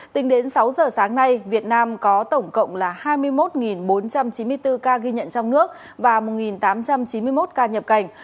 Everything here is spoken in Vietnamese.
tính đến sáu giờ sáng nay việt nam có tổng cộng là hai mươi một bốn trăm chín mươi bốn ca ghi nhận trong nước và một tám trăm chín mươi một ca nhập cảnh